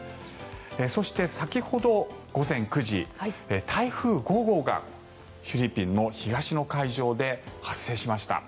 そして、先ほど午前９時台風５号がフィリピンの東の海上で発生しました。